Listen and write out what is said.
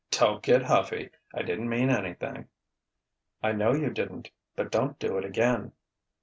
Don't get huffy. I didn't mean anything." "I know you didn't, but don't do it again."